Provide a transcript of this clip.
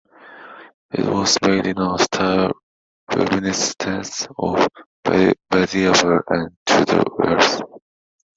It was made in a style reminiscent of medieval and Tudor wares.